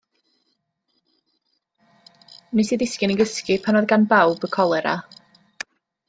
Wnes i ddisgyn i gysgu pan oedd gan bawb y colera.